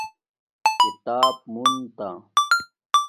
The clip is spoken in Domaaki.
کتاب مونتا